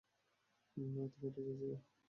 তুমি এটা চেয়েছিলে।